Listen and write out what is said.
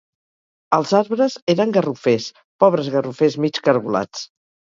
Els arbres eren garrofers. pobres garrofers, mig cargolats